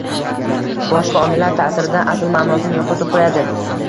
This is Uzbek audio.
boshqa omillar ta’sirida asl ma’nosini yo‘qotib qo‘yadi